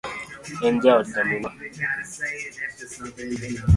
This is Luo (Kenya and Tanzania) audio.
En jaod nyaminwa